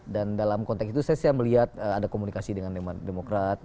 dan dalam konteks itu saya melihat ada komunikasi dengan demokrat